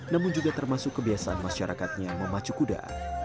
namun juga termasuk kebiasaan masyarakatnya memacu kuda